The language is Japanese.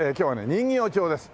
人形町です。